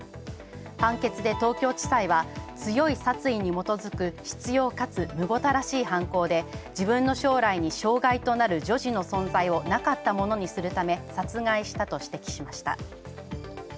判決で東京地裁は「強い殺意に基づく執拗かつむごたらしい犯行」で「自分の将来に障害となる女児の存在をなかったものにするため殺害した」と指摘しました。